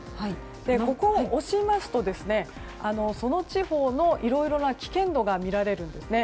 ここを押しますとその地方のいろいろな危険度が見られるんですね。